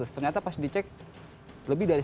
ternyata pas dicek lebih dari